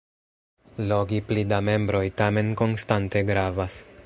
Logi pli da membroj tamen konstante gravas.